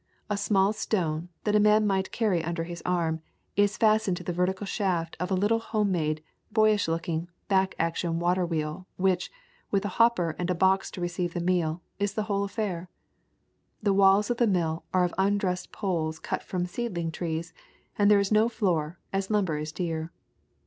A small stone, that a man might carry under his arm, is fastened to the vertical shaft of a little home made, boyish looking, back action water wheel, which, with a hopper and a box to receive the meal, is the whole affair. The walls of the mill are of undressed poles cut from seedling trees and there is no floor, as lumber is dear.